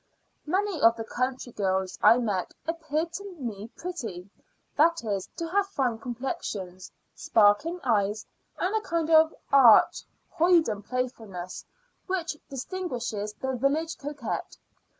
Many of the country girls I met appeared to me pretty that is, to have fine complexions, sparkling eyes, and a kind of arch, hoyden playfulness which distinguishes the village coquette.